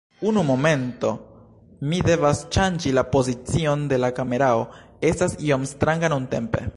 Unu momento, mi devas ŝanĝi la pozicion de la kamerao, estas iom stranga nuntempe.